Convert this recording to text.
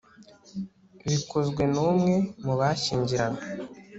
bikozwe n umwe mu bashyingiranywe